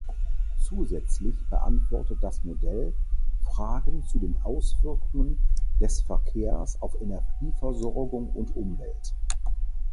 Zusätzlich beantwortet das Modell Fragen zu den Auswirkungen des Verkehrs auf Energieversorgung und Umwelt.